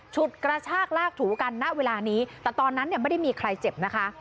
ฉุดกระชากลากถูกันณเวลานี้แต่ตอนนั้นเนี่ยไม่ได้มีใครเจ็บนะคะ